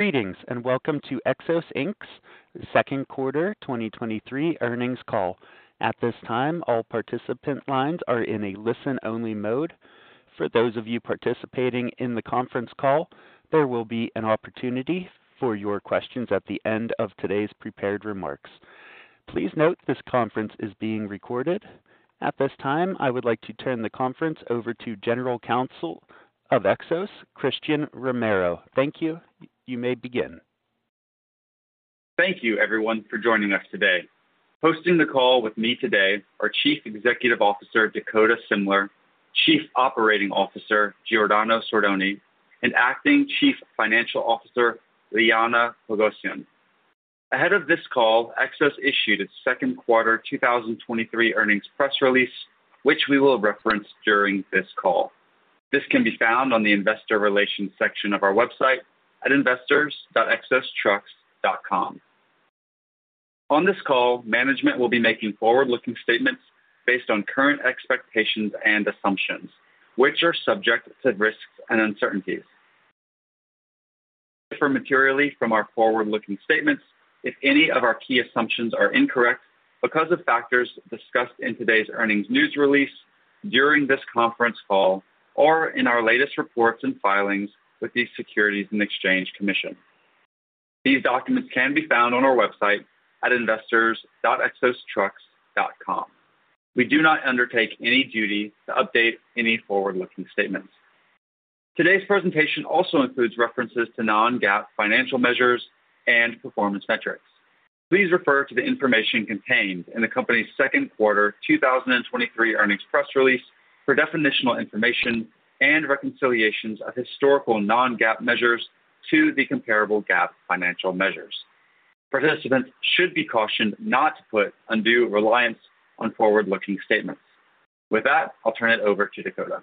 Greetings, and welcome to Xos, Inc.'s second quarter 2023 earnings call. At this time, all participant lines are in a listen-only mode. For those of you participating in the conference call, there will be an opportunity for your questions at the end of today's prepared remarks. Please note, this conference is being recorded. At this time, I would like to turn the conference over to General Counsel of Xos, Christen Romero. Thank you. You may begin. Thank you, everyone, for joining us today. Hosting the call with me today are Chief Executive Officer, Dakota Semler, Chief Operating Officer, Giordano Sordoni, and Acting Chief Financial Officer, Liana Poghosyan. Ahead of this call, Xos issued its second quarter 2023 earnings press release, which we will reference during this call. This can be found on the investor relations section of our website at investors.xostrucks.com. On this call, management will be making forward-looking statements based on current expectations and assumptions, which are subject to risks and uncertainties. Differ materially from our forward-looking statements if any of our key assumptions are incorrect because of factors discussed in today's earnings news release, during this conference call, or in our latest reports and filings with the Securities and Exchange Commission. These documents can be found on our website at investors.xostrucks.com. We do not undertake any duty to update any forward-looking statements. Today's presentation also includes references to non-GAAP financial measures and performance metrics. Please refer to the information contained in the company's second quarter 2023 earnings press release for definitional information and reconciliations of historical non-GAAP measures to the comparable GAAP financial measures. Participants should be cautioned not to put undue reliance on forward-looking statements. With that, I'll turn it over to Dakota.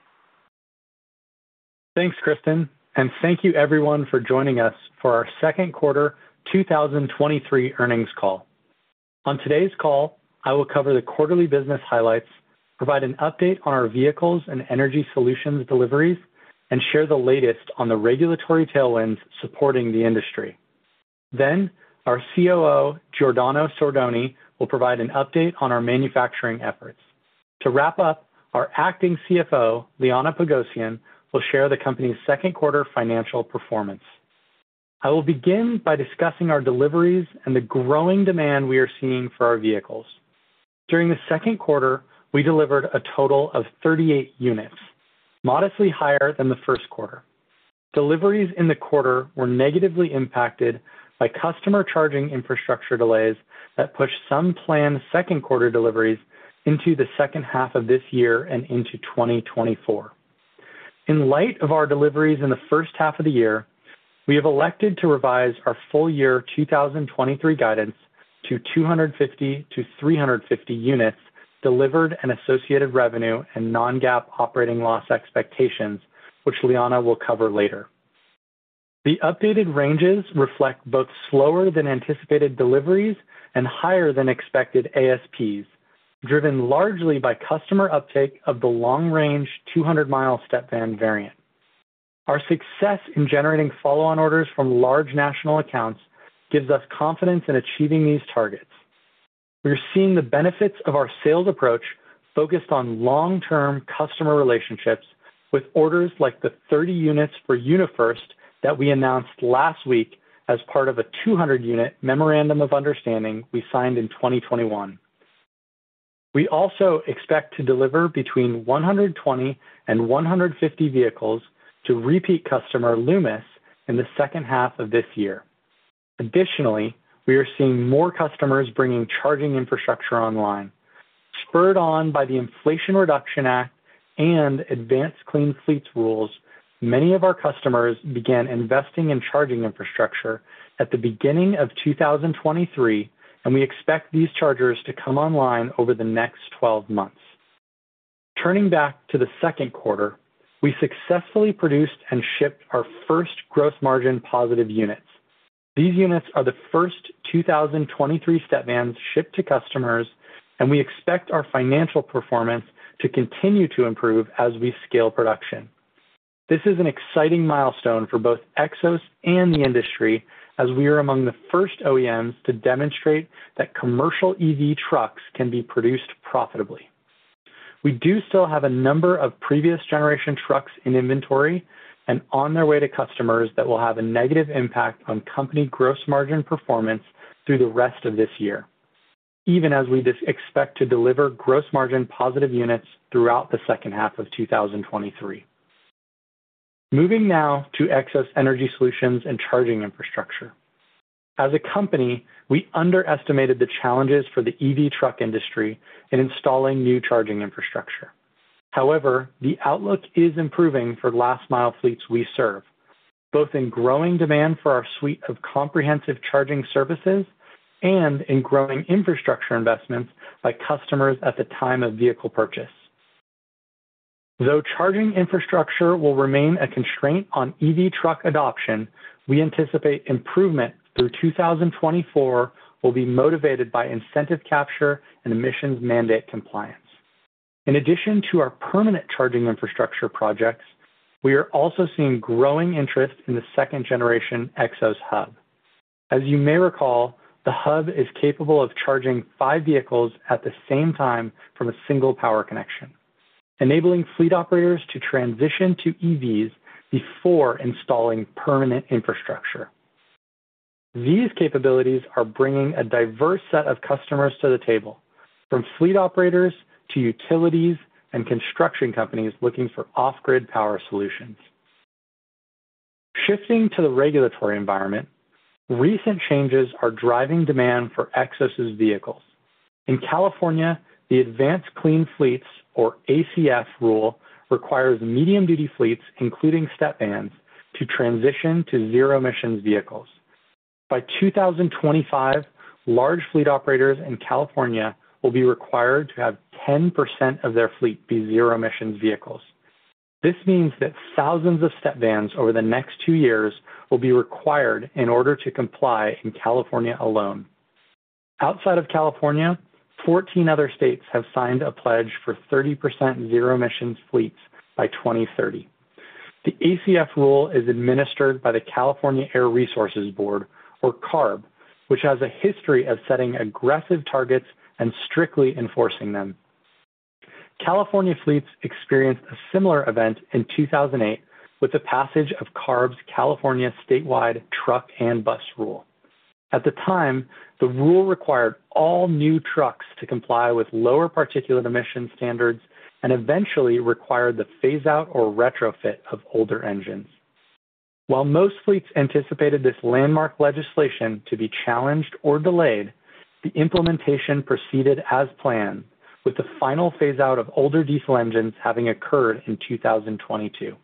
Thanks, Christen. Thank you everyone for joining us for our second quarter 2023 earnings call. On today's call, I will cover the quarterly business highlights, provide an update on our vehicles and energy solutions deliveries, and share the latest on the regulatory tailwinds supporting the industry. Our COO, Giordano Sordoni, will provide an update on our manufacturing efforts. To wrap up, our Acting CFO, Liana Poghosyan, will share the company's second quarter financial performance. I will begin by discussing our deliveries and the growing demand we are seeing for our vehicles. During the second quarter, we delivered a total of 38 units, modestly higher than the first quarter. Deliveries in the quarter were negatively impacted by customer charging infrastructure delays that pushed some planned second quarter deliveries into the second half of this year and into 2024. In light of our deliveries in the first half of the year, we have elected to revise our full year 2023 guidance to 250-350 units delivered and associated revenue and non-GAAP operating loss expectations, which Liana will cover later. The updated ranges reflect both slower than anticipated deliveries and higher than expected ASPs, driven largely by customer uptake of the long-range 200-mile step van variant. Our success in generating follow-on orders from large national accounts gives us confidence in achieving these targets. We are seeing the benefits of our sales approach focused on long-term customer relationships with orders like the 30 units for UniFirst that we announced last week as part of a 200-unit memorandum of understanding we signed in 2021. We also expect to deliver between 120 and 150 vehicles to repeat customer Loomis in the second half of this year. Additionally, we are seeing more customers bringing charging infrastructure online. Spurred on by the Inflation Reduction Act and Advanced Clean Fleets rules, many of our customers began investing in charging infrastructure at the beginning of 2023, and we expect these chargers to come online over the next 12 months. Turning back to the second quarter, we successfully produced and shipped our first gross margin positive units. These units are the first 2023 step vans shipped to customers, and we expect our financial performance to continue to improve as we scale production. This is an exciting milestone for both Xos and the industry as we are among the first OEMs to demonstrate that commercial EV trucks can be produced profitably. We do still have a number of previous generation trucks in inventory and on their way to customers that will have a negative impact on company gross margin performance through the rest of this year, even as we expect to deliver gross margin positive units throughout the second half of 2023. Moving now to Xos Energy Solutions and charging infrastructure. As a company, we underestimated the challenges for the EV truck industry in installing new charging infrastructure. However, the outlook is improving for last mile fleets we serve, both in growing demand for our suite of comprehensive charging services and in growing infrastructure investments by customers at the time of vehicle purchase. Though charging infrastructure will remain a constraint on EV truck adoption, we anticipate improvement through 2024 will be motivated by incentive capture and emissions mandate compliance. In addition to our permanent charging infrastructure projects, we are also seeing growing interest in the second generation Xos Hub. As you may recall, the Hub is capable of charging five vehicles at the same time from a single power connection, enabling fleet operators to transition to EVs before installing permanent infrastructure. These capabilities are bringing a diverse set of customers to the table, from fleet operators to utilities and construction companies looking for off-grid power solutions. Shifting to the regulatory environment, recent changes are driving demand for Xos' vehicles. In California, the Advanced Clean Fleets, or ACF rule, requires medium-duty fleets, including step vans, to transition to zero-emission vehicles. By 2025, large fleet operators in California will be required to have 10% of their fleet be zero-emission vehicles. This means that thousands of step vans over the next 2 years will be required in order to comply in California alone. Outside of California, 14 other states have signed a pledge for 30% zero-emission fleets by 2030. The ACF rule is administered by the California Air Resources Board, or CARB, which has a history of setting aggressive targets and strictly enforcing them. California fleets experienced a similar event in 2008 with the passage of CARB's California Statewide Truck and Bus Rule. At the time, the rule required all new trucks to comply with lower particulate emission standards and eventually required the phase out or retrofit of older engines. While most fleets anticipated this landmark legislation to be challenged or delayed, the implementation proceeded as planned, with the final phase out of older diesel engines having occurred in 2022.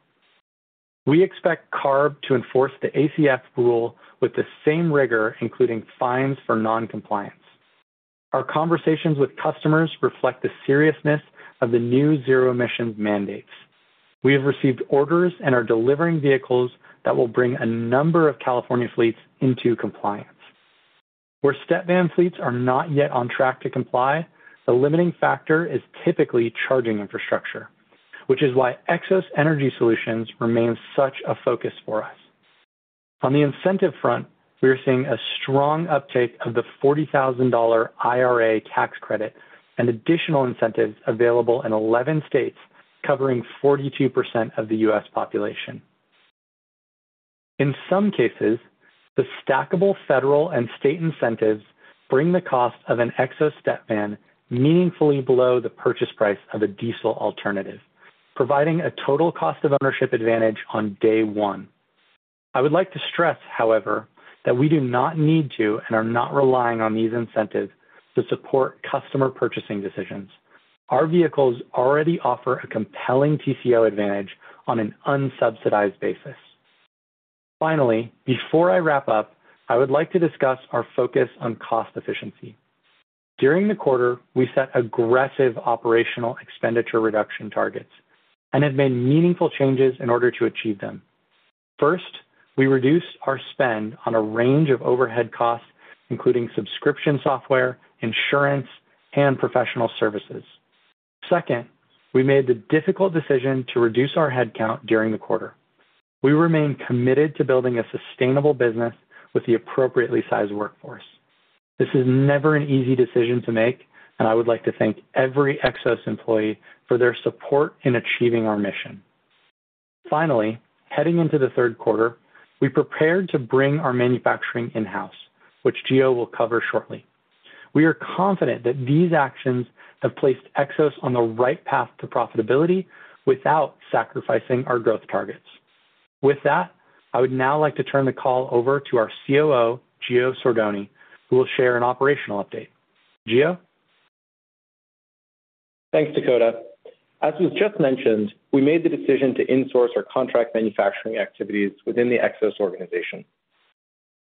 We expect CARB to enforce the ACF rule with the same rigor, including fines for non-compliance. Our conversations with customers reflect the seriousness of the new zero-emission mandates. We have received orders and are delivering vehicles that will bring a number of California fleets into compliance. Where step van fleets are not yet on track to comply, the limiting factor is typically charging infrastructure, which is why Xos Energy Solutions remains such a focus for us. On the incentive front, we are seeing a strong uptake of the $40,000 IRA tax credit and additional incentives available in 11 states, covering 42% of the U.S. population. In some cases, the stackable federal and state incentives bring the cost of an Xos step van meaningfully below the purchase price of a diesel alternative, providing a total cost of ownership advantage on day one. I would like to stress, however, that we do not need to and are not relying on these incentives to support customer purchasing decisions. Our vehicles already offer a compelling TCO advantage on an unsubsidized basis. Finally, before I wrap up, I would like to discuss our focus on cost efficiency. During the quarter, we set aggressive operational expenditure reduction targets and have made meaningful changes in order to achieve them. First, we reduced our spend on a range of overhead costs, including subscription software, insurance, and professional services. Second, we made the difficult decision to reduce our headcount during the quarter. We remain committed to building a sustainable business with the appropriately sized workforce. This is never an easy decision to make, and I would like to thank every Xos employee for their support in achieving our mission. Finally, heading into the third quarter, we prepared to bring our manufacturing in-house, which Gio will cover shortly. We are confident that these actions have placed Xos on the right path to profitability without sacrificing our growth targets. With that, I would now like to turn the call over to our COO, Giordano Sordoni, who will share an operational update. Gio? Thanks, Dakota. As was just mentioned, we made the decision to insource our contract manufacturing activities within the Xos organization.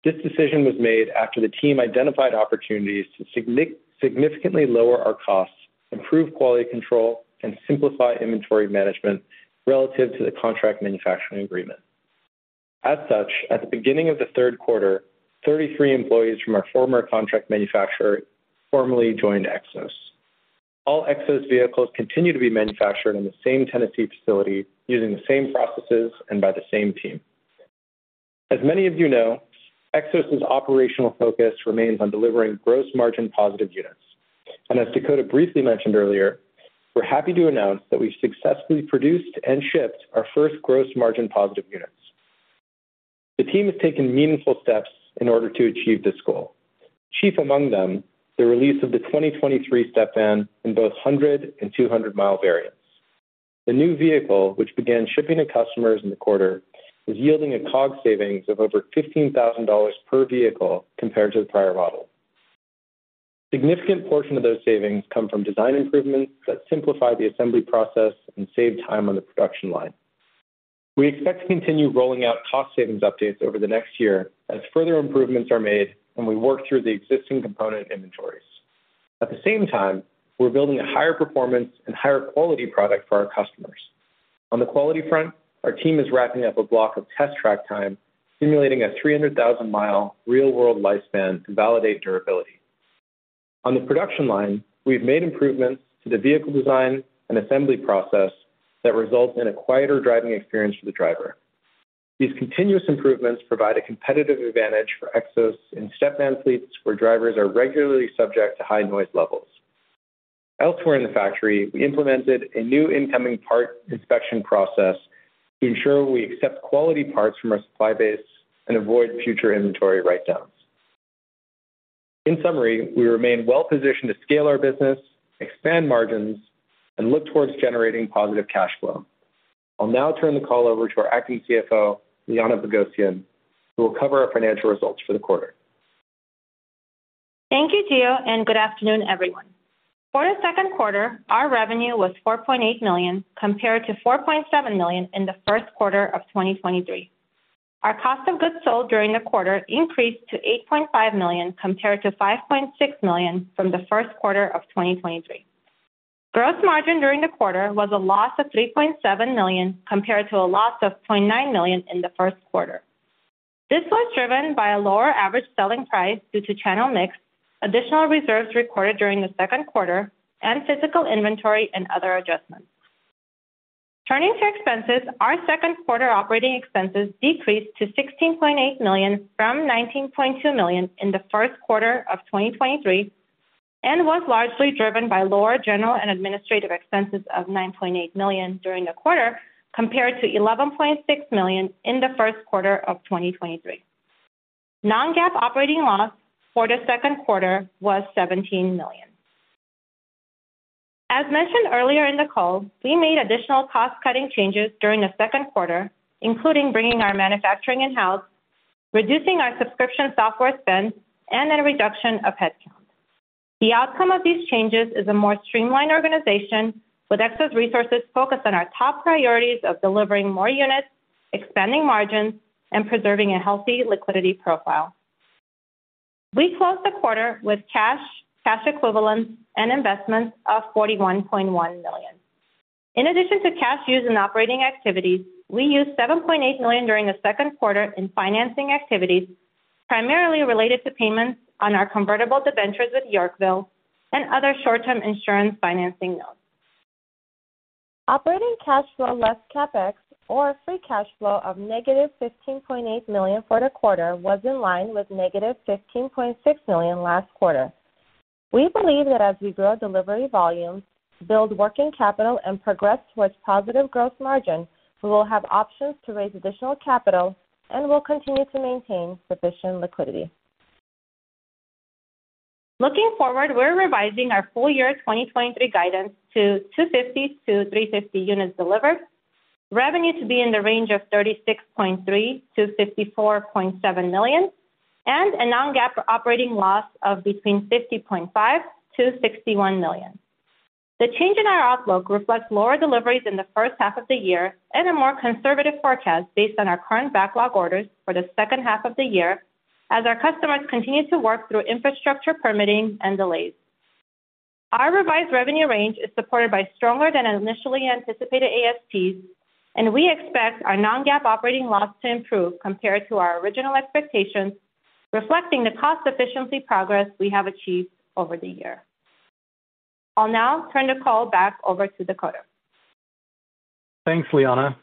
This decision was made after the team identified opportunities to significantly lower our costs, improve quality control, and simplify inventory management relative to the contract manufacturing agreement. As such, at the beginning of the third quarter, 33 employees from our former contract manufacturer formally joined Xos. All Xos vehicles continue to be manufactured in the same Tennessee facility, using the same processes and by the same team. As many of you know, Xos's operational focus remains on delivering gross margin positive units, and as Dakota briefly mentioned earlier, we're happy to announce that we've successfully produced and shipped our first gross margin positive units. The team has taken meaningful steps in order to achieve this goal. Chief among them, the release of the 2023 step van in both 100 and 200 mile variants. The new vehicle, which began shipping to customers in the quarter, is yielding a COG savings of over $15,000 per vehicle compared to the prior model. Significant portion of those savings come from design improvements that simplify the assembly process and save time on the production line. We expect to continue rolling out cost savings updates over the next year as further improvements are made and we work through the existing component inventories. At the same time, we're building a higher performance and higher quality product for our customers. On the quality front, our team is wrapping up a block of test track time, simulating a 300,000 mile real-world lifespan to validate durability. On the production line, we've made improvements to the vehicle design and assembly process that result in a quieter driving experience for the driver. These continuous improvements provide a competitive advantage for Xos in step van fleets, where drivers are regularly subject to high noise levels. Elsewhere in the factory, we implemented a new incoming part inspection process to ensure we accept quality parts from our supply base and avoid future inventory write-downs. In summary, we remain well-positioned to scale our business, expand margins, and look towards generating positive cash flow. I'll now turn the call over to our acting CFO, Liana Poghosyan, who will cover our financial results for the quarter. Thank you, Gio. Good afternoon, everyone. For the second quarter, our revenue was $4.8 million, compared to $4.7 million in the first quarter of 2023. Our cost of goods sold during the quarter increased to $8.5 million, compared to $5.6 million from the first quarter of 2023. Gross margin during the quarter was a loss of $3.7 million, compared to a loss of $0.9 million in the first quarter. This was driven by a lower average selling price due to channel mix, additional reserves recorded during the second quarter, and physical inventory and other adjustments. Turning to expenses, our second quarter operating expenses decreased to $16.8 million from $19.2 million in the first quarter of 2023, and was largely driven by lower general and administrative expenses of $9.8 million during the quarter, compared to $11.6 million in the first quarter of 2023. Non-GAAP operating loss for the second quarter was $17 million. As mentioned earlier in the call, we made additional cost-cutting changes during the second quarter, including bringing our manufacturing in-house, reducing our subscription software spend, and a reduction of headcount. The outcome of these changes is a more streamlined organization, with excess resources focused on our top priorities of delivering more units, expanding margins, and preserving a healthy liquidity profile. We closed the quarter with cash, cash equivalents, and investments of $41.1 million. In addition to cash used in operating activities, we used $7.8 million during the second quarter in financing activities, primarily related to payments on our convertible debentures with Yorkville and other short-term insurance financing notes. Operating cash flow less CapEx, or free cash flow of -$15.8 million for the quarter, was in line with -$15.6 million last quarter. Looking forward, we're revising our full year 2023 guidance to 250-350 units delivered, revenue to be in the range of $36.3 million-$54.7 million, and a non-GAAP operating loss of between $50.5 million-$61 million. The change in our outlook reflects lower deliveries in the first half of the year and a more conservative forecast based on our current backlog orders for the second half of the year, as our customers continue to work through infrastructure permitting and delays. Our revised revenue range is supported by stronger than initially anticipated ASPs, and we expect our non-GAAP operating loss to improve compared to our original expectations, reflecting the cost efficiency progress we have achieved over the year. I'll now turn the call back over to Dakota. Thanks, Liana.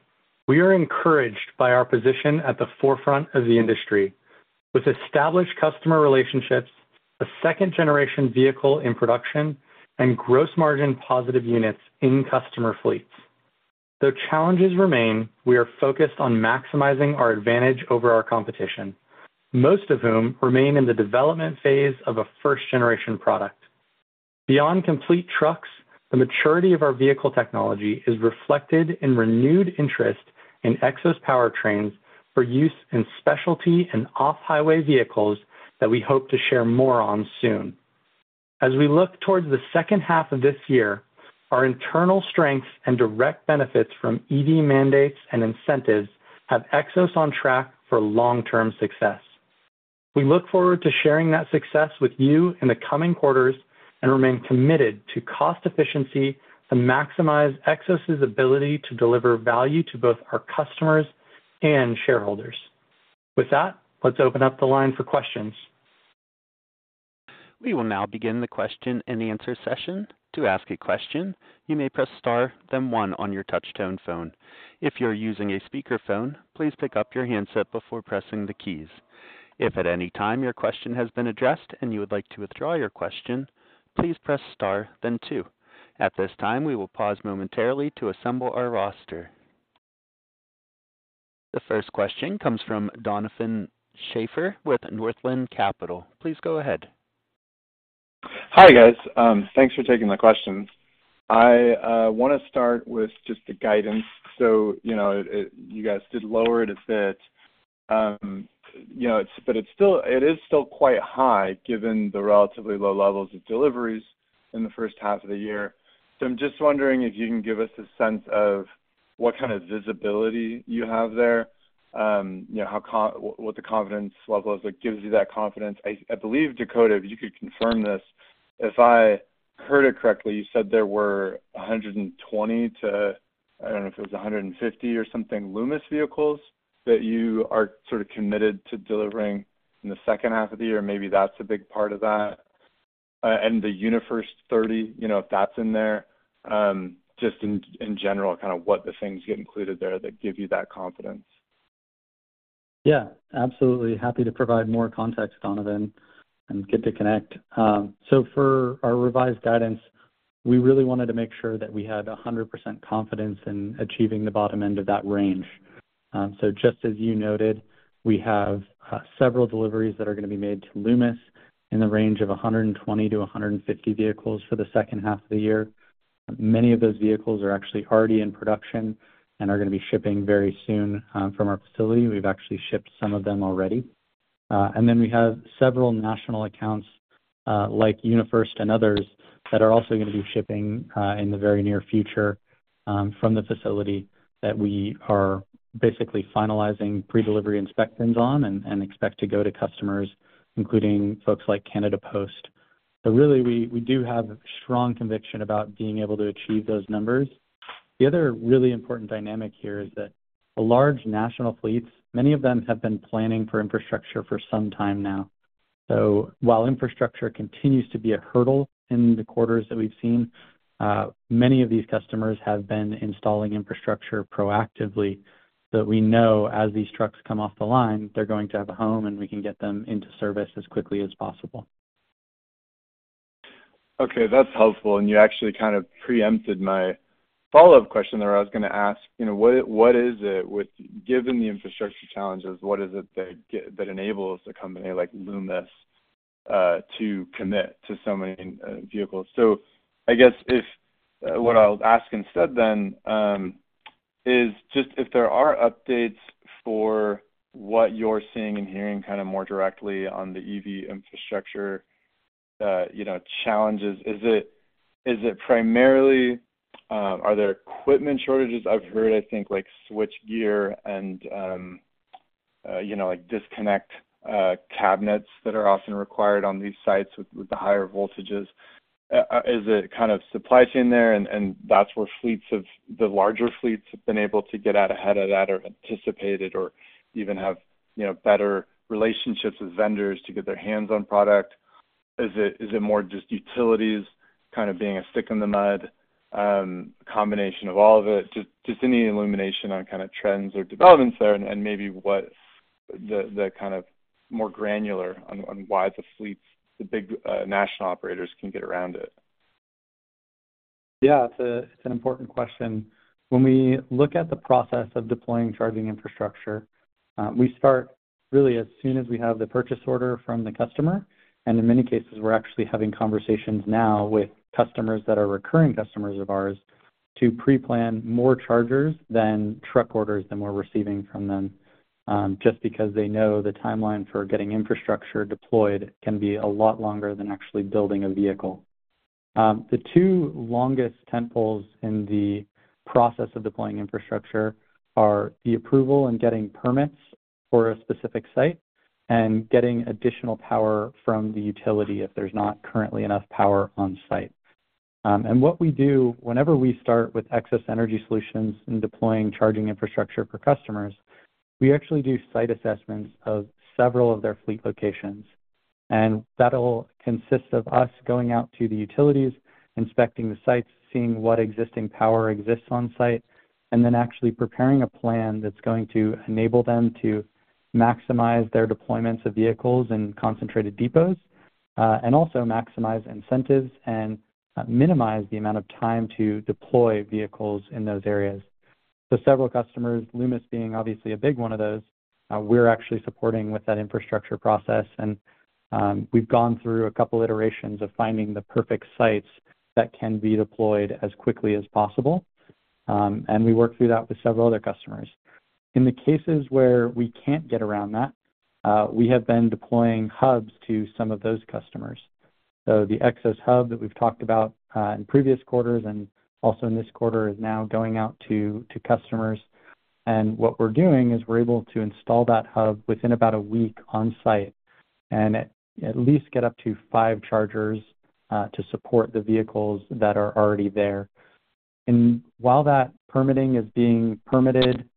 We are encouraged by our position at the forefront of the industry with established customer relationships, a second-generation vehicle in production, and gross margin positive units in customer fleets. Though challenges remain, we are focused on maximizing our advantage over our competition, most of whom remain in the development phase of a first-generation product. Beyond complete trucks, the maturity of our vehicle technology is reflected in renewed interest in Xos powertrains for use in specialty and off-highway vehicles that we hope to share more on soon. As we look towards the second half of this year, our internal strengths and direct benefits from EV mandates and incentives have Xos on track for long-term success. \ We look forward to sharing that success with you in the coming quarters and remain committed to cost efficiency to maximize Xos' ability to deliver value to both our customers and shareholders. With that, let's open up the line for questions. We will now begin the question-and-answer session. To ask a question, you may press star then one on your touchtone phone. If you're using a speakerphone, please pick up your handset before pressing the keys. If at any time your question has been addressed and you would like to withdraw your question, please press star then two. At this time, we will pause momentarily to assemble our roster. The first question comes from Donovan Schafer with Northland Capital. Please go ahead. Hi, guys. Thanks for taking my questions. I want to start with just the guidance. You know, it, it—you guys did lower it a bit. You know, but it's still, it is still quite high, given the relatively low levels of deliveries in the first half of the year. I'm just wondering if you can give us a sense of what kind of visibility you have there, you know, how con- what, what the confidence level is that gives you that confidence? I, I believe, Dakota, if you could confirm this, if I heard it correctly, you said there were 120 to, I don't know if it was 150 or something, Loomis vehicles? That you are sort of committed to delivering in the second half of the year, maybe that's a big part of that? The UniFirst 30, you know, if that's in there, just in, in general, kind of what the things you included there that give you that confidence? Yeah, absolutely happy to provide more context, Donovan, and good to connect. For our revised guidance, we really wanted to make sure that we had 100% confidence in achieving the bottom end of that range. Just as you noted, we have several deliveries that are gonna be made to Loomis in the range of 120-150 vehicles for the second half of the year. Many of those vehicles are actually already in production and are gonna be shipping very soon from our facility. We've actually shipped some of them already. And then we have several national accounts, like UniFirst and others, that are also gonna be shipping in the very near future from the facility, that we are basically finalizing pre-delivery inspections on and, and expect to go to customers, including folks like Canada Post. Really, we, we do have strong conviction about being able to achieve those numbers. The other really important dynamic here is that the large national fleets, many of them have been planning for infrastructure for some time now. While infrastructure continues to be a hurdle in the quarters that we've seen, many of these customers have been installing infrastructure proactively, that we know as these trucks come off the line, they're going to have a home, and we can get them into service as quickly as possible. Okay, that's helpful, and you actually kind of preempted my follow-up question there. I was gonna ask, you know, what, what is it with—given the infrastructure challenges, what is it that enables a company like Loomis to commit to so many vehicles? I guess if, what I'll ask instead then, is just if there are updates for what you're seeing and hearing kind of more directly on the EV infrastructure, you know, challenges. Is it, is it primarily are there equipment shortages? I've heard, I think, like, switch gear and, you know, like, disconnect cabinets that are often required on these sites with, with the higher voltages. Is it kind of supply chain there, and, and that's where fleets of- the larger fleets have been able to get out ahead of that or anticipate it or even have, you know, better relationships with vendors to get their hands on product? Is it, is it more just utilities kind of being a stick in the mud, combination of all of it? Just, just any illumination on kind of trends or developments there, and, and maybe what the, the kind of more granular on, on why the fleets, the big, national operators can get around it? Yeah, it's a, it's an important question. When we look at the process of deploying charging infrastructure, we start really, as soon as we have the purchase order from the customer. In many cases, we're actually having conversations now with customers that are recurring customers of ours, to pre-plan more chargers than truck orders than we're receiving from them, just because they know the timeline for getting infrastructure deployed can be a lot longer than actually building a vehicle. The two longest tent poles in the process of deploying infrastructure are the approval and getting permits for a specific site and getting additional power from the utility if there's not currently enough power on site. What we do whenever we start with Xos Energy Solutions and deploying charging infrastructure for customers, we actually do site assessments of several of their fleet locations, and that'll consist of us going out to the utilities, inspecting the sites, seeing what existing power exists on site, and then actually preparing a plan that's going to enable them to maximize their deployments of vehicles in concentrated depots. Also maximize incentives and minimize the amount of time to deploy vehicles in those areas. So several customers, Loomis being obviously a big one of those, we're actually supporting with that infrastructure process, and we've gone through a couple iterations of finding the perfect sites that can be deployed as quickly as possible. We work through that with several other customers. In the cases where we can't get around that, we have been deploying hubs to some of those customers. The Xos Hub that we've talked about, in previous quarters and also in this quarter, is now going out to, to customers. What we're doing is we're able to install that hub within about a week on-site and at, at least get up to five chargers, to support the vehicles that are already there. While that permitting is being permitted,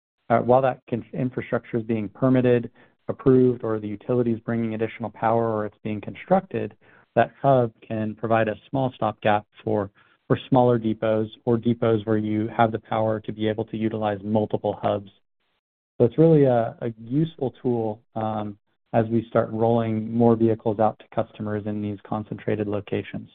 while that con infrastructure is being permitted, approved, or the utility is bringing additional power, or it's being constructed, that hub can provide a small stopgap for, for smaller depots or depots where you have the power to be able to utilize multiple hubs. It's really a, a useful tool, as we start rolling more vehicles out to customers in these concentrated locations.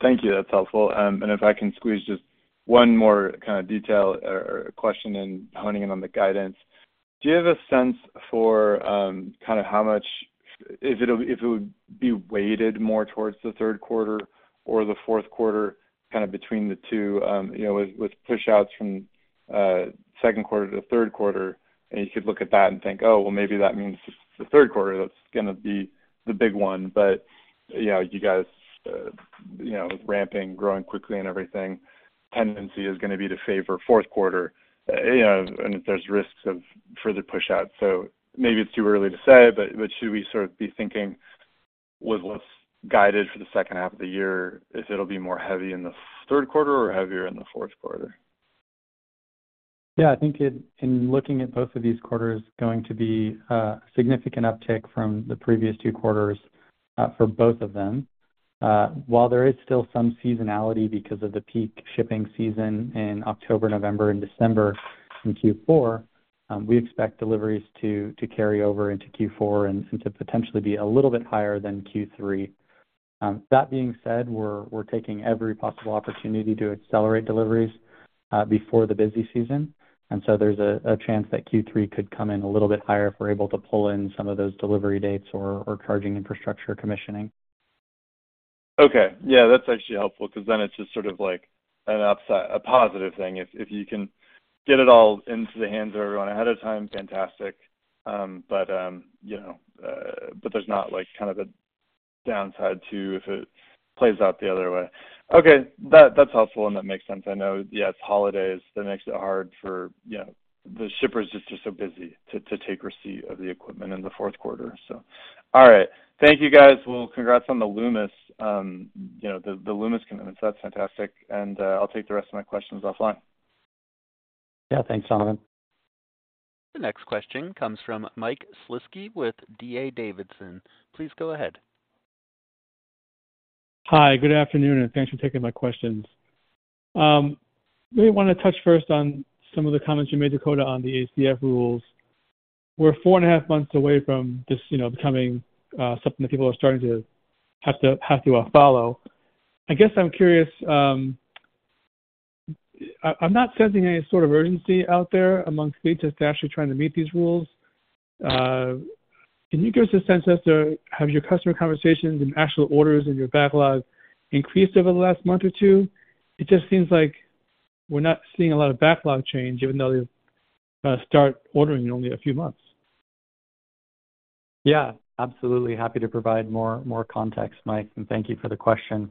Thank you. That's helpful. If I can squeeze just one more kind of detail or, or question in honing in on the guidance. Do you have a sense for, kind of how much. If it'll, if it would be weighted more towards the third quarter or the fourth quarter, kind of between the two? You know, with, with push-outs from, second quarter to the third quarter, and you could look at that and think, "Oh, well, maybe that means the third quarter, that's gonna be the big one." You know, you guys, you know, ramping, growing quickly and everything, tendency is gonna be to favor fourth quarter, you know, and if there's risks of further push out. Maybe it's too early to say, but should we sort of be thinking. With what's guided for the second half of the year, if it'll be more heavy in the third quarter or heavier in the fourth quarter? Yeah, I think in, in looking at both of these quarters, going to be a significant uptick from the previous two quarters, for both of them. While there is still some seasonality because of the peak shipping season in October, November, and December in Q4, we expect deliveries to carry over into Q4 and to potentially be a little bit higher than Q3. That being said, we're taking every possible opportunity to accelerate deliveries before the busy season, and so there's a chance that Q3 could come in a little bit higher if we're able to pull in some of those delivery dates or charging infrastructure commissioning. Okay. Yeah, that's actually helpful 'cause then it's just sort of like an upside, a positive thing. If, if you can get it all into the hands of everyone ahead of time, fantastic. You know, there's not like kind of a downside to if it plays out the other way. Okay, that, that's helpful, and that makes sense. I know, yes, holidays, that makes it hard for, you know, the shippers are just so busy to, to take receipt of the equipment in the fourth quarter. All right. Thank you, guys. Well, congrats on the Loomis, you know, the Loomis commitment. That's fantastic. I'll take the rest of my questions offline. Yeah, thanks, Donovan. The next question comes from Michael Shlisky with D.A. Davidson. Please go ahead. Hi, good afternoon, and thanks for taking my questions. I really want to touch first on some of the comments you made, Dakota, on the ACF rules. We're 4.5 months away from this, you know, becoming something that people are starting to have to, have to follow. I guess I'm curious, I, I'm not sensing any sort of urgency out there amongst fleets just to actually trying to meet these rules. Can you give us a sense as to have your customer conversations and actual orders and your backlog increased over the last month or 2? It just seems like we're not seeing a lot of backlog change, even though they start ordering in only a few months. Yeah, absolutely. Happy to provide more, more context, Mike. Thank you for the question.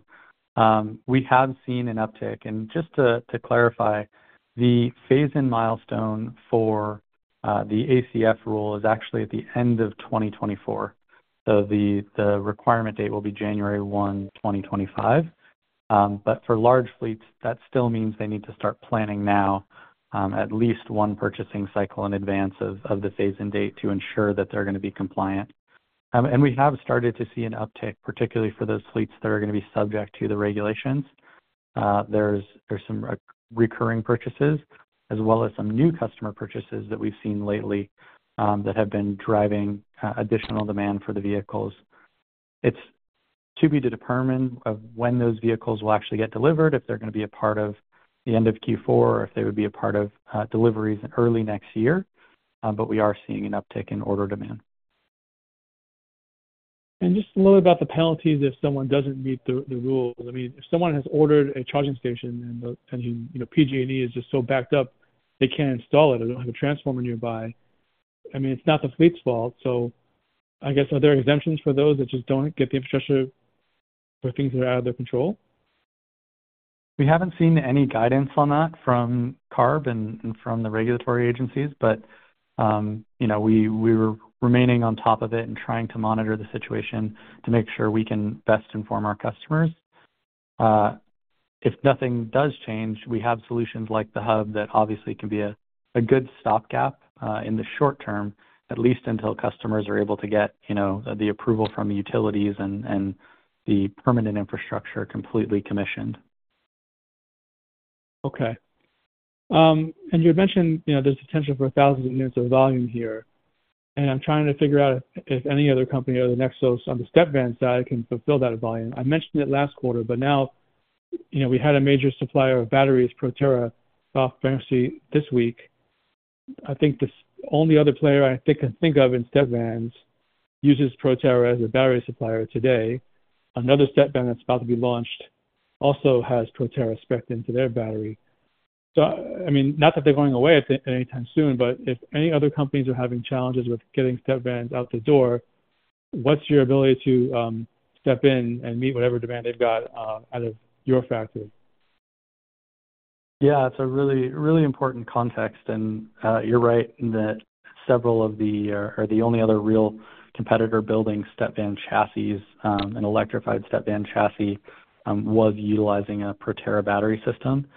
We have seen an uptick. Just to, to clarify, the phase-in milestone for the ACF rule is actually at the end of 2024, so the, the requirement date will be January 1st, 2025. For large fleets, that still means they need to start planning now, at least one purchasing cycle in advance of, of the phase-in date to ensure that they're going to be compliant. We have started to see an uptick, particularly for those fleets that are going to be subject to the regulations. There's, there's some re-recurring purchases, as well as some new customer purchases that we've seen lately, that have been driving additional demand for the vehicles. It's to be determined of when those vehicles will actually get delivered, if they're going to be a part of the end of Q4 or if they would be a part of deliveries early next year. We are seeing an uptick in order demand. Just a little about the penalties if someone doesn't meet the rules. I mean, if someone has ordered a charging station and, you know, PG&E is just so backed up, they can't install it or don't have a transformer nearby, I mean, it's not the fleet's fault. I guess, are there exemptions for those that just don't get the infrastructure for things that are out of their control? We haven't seen any guidance on that from CARB and, and from the regulatory agencies, but, you know, we, we're remaining on top of it and trying to monitor the situation to make sure we can best inform our customers. If nothing does change, we have solutions like the Hub that obviously can be a, a good stopgap, in the short term, at least until customers are able to get, you know, the approval from the utilities and, and the permanent infrastructure completely commissioned. Okay. You had mentioned, you know, there's potential for thousands of units of volume here, and I'm trying to figure out if, if any other company other than Xos on the step van side can fulfill that volume. I mentioned it last quarter, now, you know, we had a major supplier of batteries, Proterra, file for bankruptcy this week. I think the only other player I think can think of in step vans uses Proterra as a battery supplier today. Another step van that's about to be launched also has Proterra spec'd into their battery. I mean, not that they're going away at, anytime soon, but if any other companies are having challenges with getting step vans out the door, what's your ability to step in and meet whatever demand they've got out of your factory? Yeah, it's a really, really important context, and you're right that several of the, or, or the only other real competitor building step van chassis, and electrified step van chassis, was utilizing a Proterra battery system.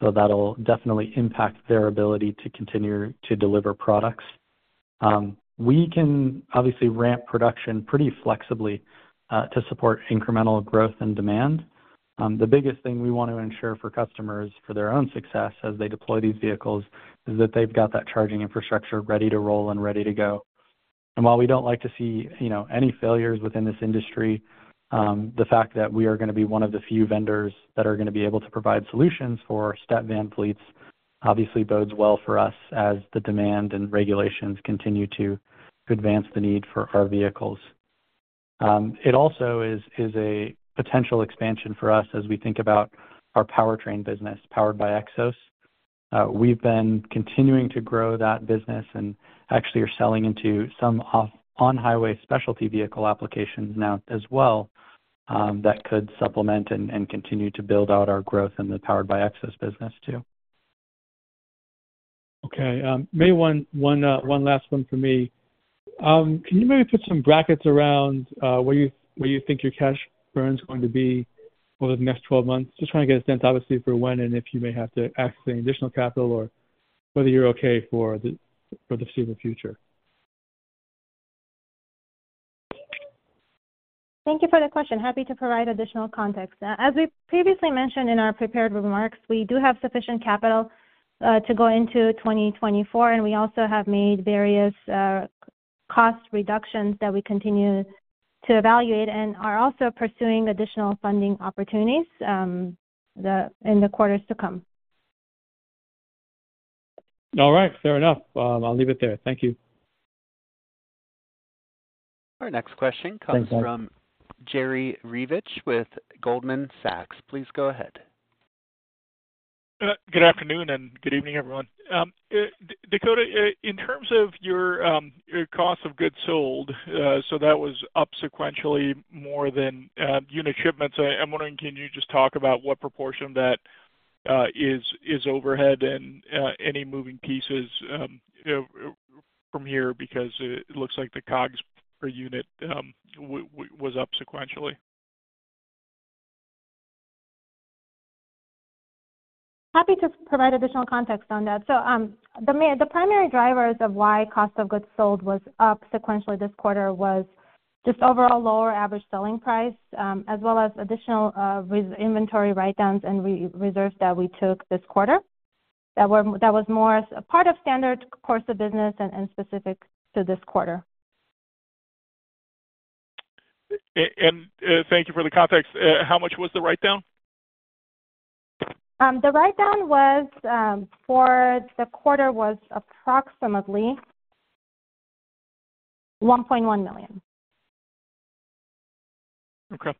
That'll definitely impact their ability to continue to deliver products. We can obviously ramp production pretty flexibly to support incremental growth and demand. The biggest thing we want to ensure for customers for their own success as they deploy these vehicles is that they've got that charging infrastructure ready to roll and ready to go. While we don't like to see, you know, any failures within this industry, the fact that we are going to be one of the few vendors that are going to be able to provide solutions for step van fleets obviously bodes well for us as the demand and regulations continue to advance the need for our vehicles. It also is, is a potential expansion for us as we think about our powertrain business, Powered by Xos. We've been continuing to grow that business and actually are selling into some off-on-highway specialty vehicle applications now as well, that could supplement and, and continue to build out our growth in the Powered by Xos business too. Okay, maybe one last one for me. Can you maybe put some brackets around where you, where you think your cash burn is going to be over the next 12 months? Just trying to get a sense, obviously, for when and if you may have to access any additional capital or whether you're okay for the, for the foreseeable future. Thank you for the question. Happy to provide additional context. As we previously mentioned in our prepared remarks, we do have sufficient capital, to go into 2024, and we also have made various, cost reductions that we continue to evaluate and are also pursuing additional funding opportunities in the quarters to come. All right. Fair enough. I'll leave it there. Thank you. Our next question. Thanks, guys. Comes from Jerry Revich with Goldman Sachs. Please go ahead. Good afternoon, and good evening, everyone. Dakota, in terms of your cost of goods sold, so that was up sequentially more than unit shipments. I'm wondering, can you just talk about what proportion of that is overhead and any moving pieces from here? Because it looks like the COGS per unit was up sequentially. Happy to provide additional context on that. The primary drivers of why cost of goods sold was up sequentially this quarter was just overall lower average selling price, as well as additional inventory write-downs and reserves that we took this quarter. That was more as a part of standard course of business and, and specific to this quarter. Thank you for the context. How much was the write-down? The write-down was for the quarter, was approximately $1.1 million. Okay.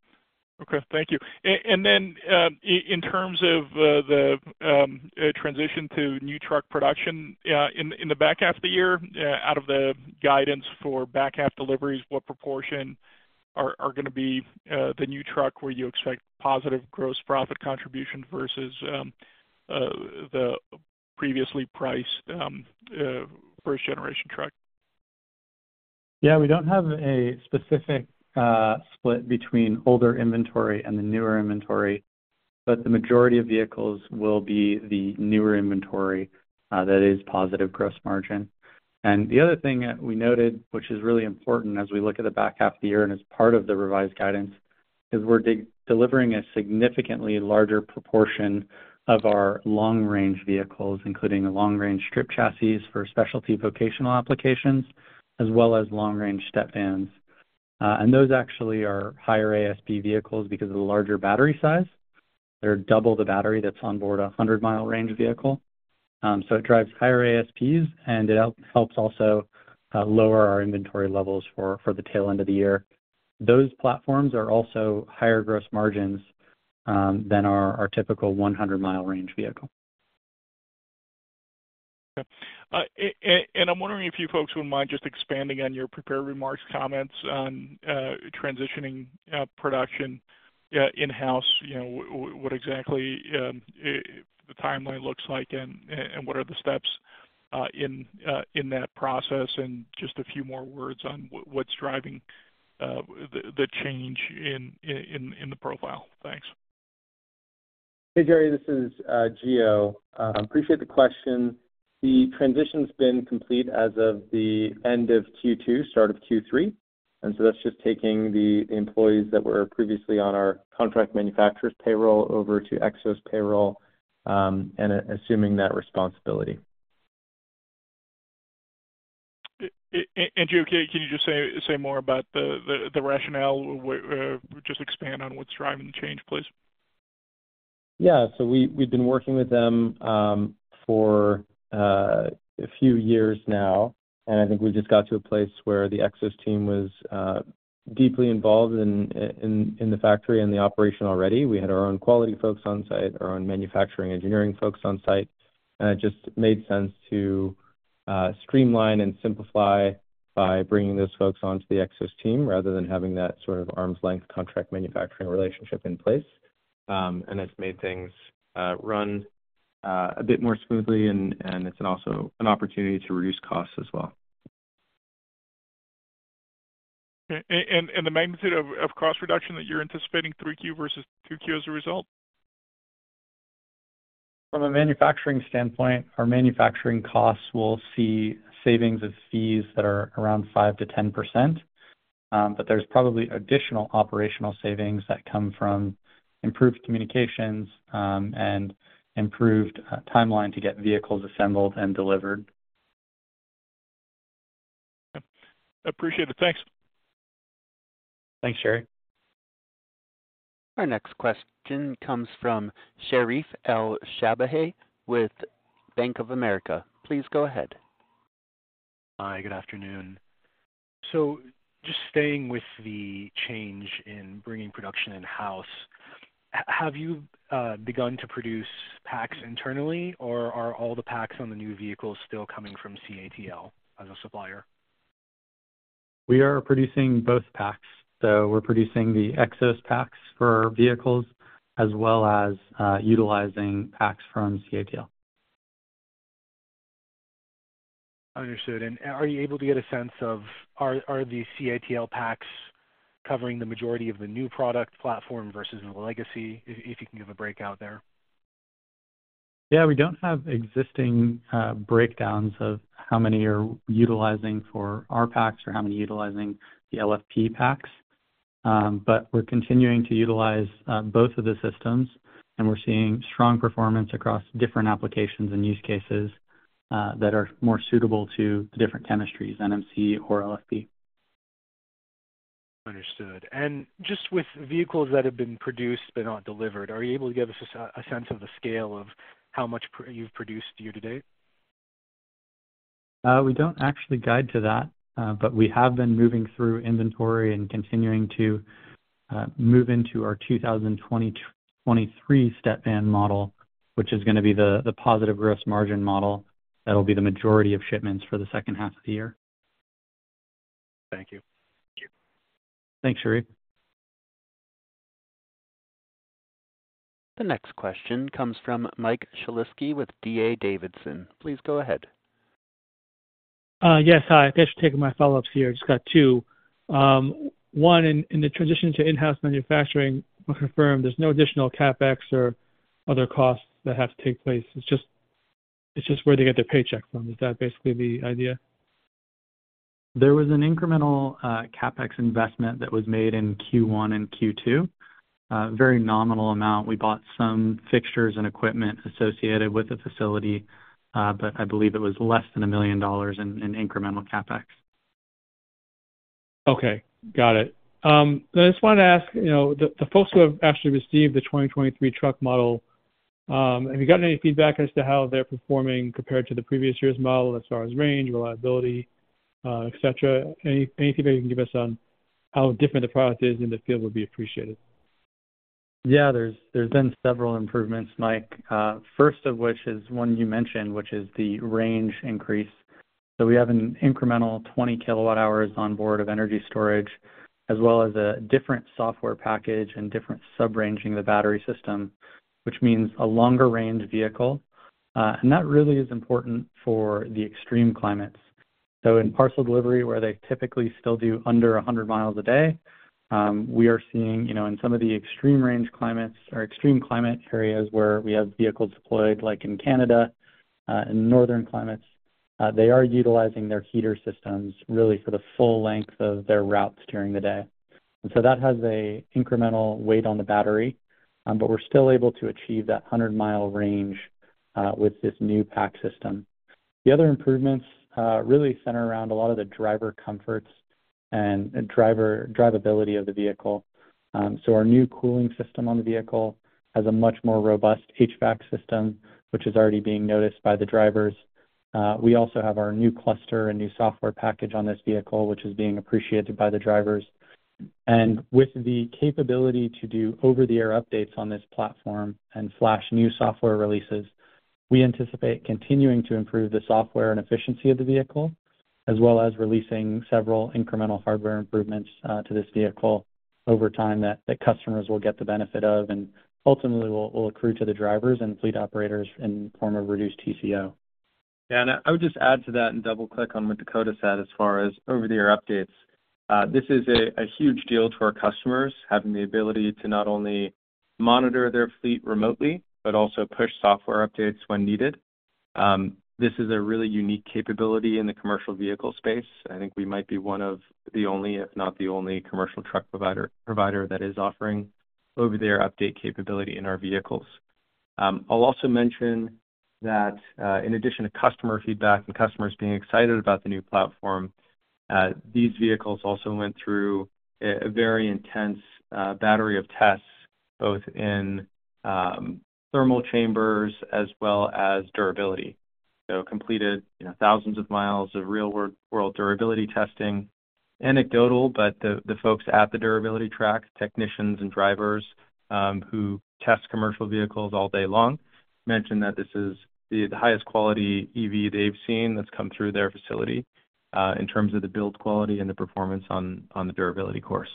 Okay, thank you. Then, in terms of the transition to new truck production, in the back half of the year, out of the guidance for back half deliveries, what proportion are going to be the new truck, where you expect positive gross profit contribution versus the previously priced first generation truck? Yeah, we don't have a specific split between older inventory and the newer inventory, but the majority of vehicles will be the newer inventory that is positive gross margin. The other thing that we noted, which is really important as we look at the back half of the year and as part of the revised guidance, is we're delivering a significantly larger proportion of our long-range vehicles, including the long-range strip chassis for specialty vocational applications, as well as long-range step vans. Those actually are higher ASP vehicles because of the larger battery size. They're double the battery that's on board a 100-mile range vehicle. It drives higher ASPs, and it helps also lower our inventory levels for, for the tail end of the year. Those platforms are also higher gross margins, than our typical 100-mile range vehicle. Okay. I'm wondering if you folks would mind just expanding on your prepared remarks, comments on transitioning production in-house. You know, what exactly the timeline looks like and what are the steps in that process, and just a few more words on what's driving the change in the profile? Thanks. Hey, Jerry, this is Gio. Appreciate the question. The transition's been complete as of the end of Q2, start of Q3, and so that's just taking the employees that were previously on our contract manufacturer's payroll over to Xos' payroll, and assuming that responsibility. Gio, can you just say more about the rationale? Just expand on what's driving the change, please. Yeah. We, we've been working with them, for a few years now, and I think we just got to a place where the Xos' team was deeply involved in, i-in, in the factory and the operation already. We had our own quality folks on site, our own manufacturing engineering folks on site, and it just made sense to streamline and simplify by bringing those folks onto the Xos' team, rather than having that sort of arm's length contract manufacturing relationship in place. It's made things run a bit more smoothly, and it's also an opportunity to reduce costs as well. Okay. the magnitude of, of cost reduction that you're anticipating 3Q versus 2Q as a result? From a manufacturing standpoint, our manufacturing costs will see savings of fees that are around 5%-10%. There's probably additional operational savings that come from improved communications, and improved timeline to get vehicles assembled and delivered. Yep. Appreciate it. Thanks. Thanks, Jerry. Our next question comes from Sherif El-Sabbahy with Bank of America. Please go ahead. Hi, good afternoon. Just staying with the change in bringing production in-house, have you begun to produce packs internally, or are all the packs on the new vehicles still coming from CATL as a supplier? We are producing both packs, so we're producing the Xos packs for vehicles as well as utilizing packs from CATL. Understood. Are you able to get a sense of are the CATL packs covering the majority of the new product platform versus the legacy? If you can give a breakout there. Yeah, we don't have existing breakdowns of how many are utilizing for our packs or how many are utilizing the LFP packs. We're continuing to utilize both of the systems, and we're seeing strong performance across different applications and use cases that are more suitable to the different chemistries, NMC or LFP. Understood. Just with vehicles that have been produced but not delivered, are you able to give us a, a sense of the scale of how much you've produced year to date? We don't actually guide to that, but we have been moving through inventory and continuing to move into our 2023 step van model, which is gonna be the, the positive gross margin model. That'll be the majority of shipments for the second half of the year. Thank you. Thank you. Thanks, Sherif. The next question comes from Mike Shlisky with D.A. Davidson. Please go ahead. Yes, hi. Thanks for taking my follow-ups here. I just got 2. One, in, in the transition to in-house manufacturing, to confirm, there's no additional CapEx or other costs that have to take place. It's just, it's just where they get their paycheck from. Is that basically the idea? There was an incremental CapEx investment that was made in Q1 and Q2. Very nominal amount. We bought some fixtures and equipment associated with the facility, but I believe it was less than $1 million in, in incremental CapEx. Okay, got it. I just wanted to ask, you know, the, the folks who have actually received the 2023 truck model, have you gotten any feedback as to how they're performing compared to the previous year's model as far as range, reliability, etc.? Any, anything that you can give us on how different the product is in the field would be appreciated. Yeah, there's, there's been several improvements, Mike. First of which is one you mentioned, which is the range increase. We have an incremental 20 kWh on board of energy storage, as well as a different software package and different sub-ranging the battery system, which means a longer-range vehicle. That really is important for the extreme climates. In parcel delivery, where they typically still do under 100 miles a day, we are seeing, you know, in some of the extreme range climates or extreme climate areas where we have vehicles deployed, like in Canada, and northern climates, they are utilizing their heater systems really for the full length of their routes during the day. That has a incremental weight on the battery, but we're still able to achieve that 100 mi range, with this new pack system. The other improvements really center around a lot of the driver comforts and drivability of the vehicle. Our new cooling system on the vehicle has a much more robust HVAC system, which is already being noticed by the drivers. We also have our new cluster and new software package on this vehicle, which is being appreciated by the drivers. With the capability to do over-the-air updates on this platform and flash new software releases, we anticipate continuing to improve the software and efficiency of the vehicle, as well as releasing several incremental hardware improvements to this vehicle over time that, that customers will get the benefit of and ultimately will, will accrue to the drivers and fleet operators in the form of reduced TCO. Yeah, I would just add to that and double-click on what Dakota said as far as over-the-air updates. This is a huge deal to our customers, having the ability to not only monitor their fleet remotely, but also push software updates when needed. This is a really unique capability in the commercial vehicle space. I think we might be one of the only, if not the only, commercial truck provider that is offering over-the-air update capability in our vehicles. I'll also mention that, in addition to customer feedback and customers being excited about the new platform, these vehicles also went through a very intense battery of tests, both in thermal chambers as well as durability. Completed, you know, thousands of miles of real-world durability testing. Anecdotal, the folks at the durability track, technicians and drivers, who test commercial vehicles all day long, mention that this is the highest quality EV they've seen that's come through their facility, in terms of the build quality and the performance on, on the durability course.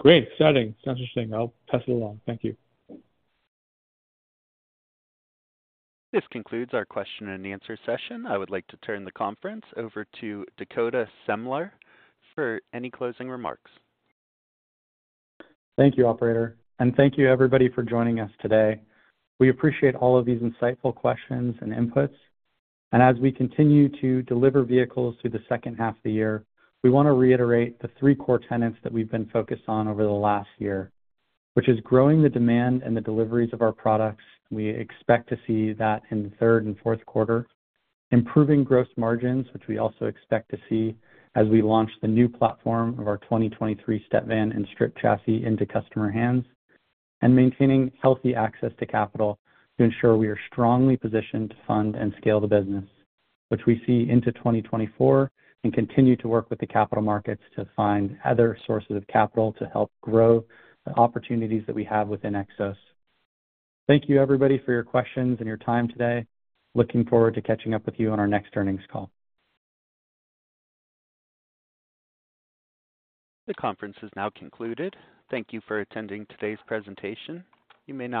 Great. Exciting. Sounds interesting. I'll pass it along. Thank you. This concludes our question-and-answer session. I would like to turn the conference over to Dakota Semler for any closing remarks. Thank you, operator, and thank you, everybody, for joining us today. We appreciate all of these insightful questions and inputs, and as we continue to deliver vehicles through the second half of the year, we want to reiterate the three core tenets that we've been focused on over the last year, which is growing the demand and the deliveries of our products. We expect to see that in the third and fourth quarter. Improving gross margins, which we also expect to see as we launch the new platform of our 2023 step van and strip chassis into customer hands. Maintaining healthy access to capital to ensure we are strongly positioned to fund and scale the business, which we see into 2024, and continue to work with the capital markets to find other sources of capital to help grow the opportunities that we have within Xos. Thank you, everybody, for your questions and your time today. Looking forward to catching up with you on our next earnings call. The conference is now concluded. Thank you for attending today's presentation. You may.